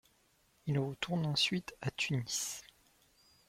Il retourne ensuite à Tunis.